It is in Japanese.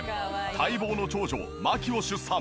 待望の長女麻貴を出産。